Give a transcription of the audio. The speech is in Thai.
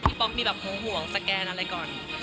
ป๊อกมีแบบห่วงสแกนอะไรก่อน